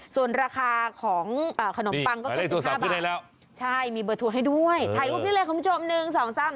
ส่วนราคาของขนมปังก็เกือบ๑๕บาทใช่มีเบอร์โทรให้ด้วยถ่ายรูปได้เลยคุณผู้ชม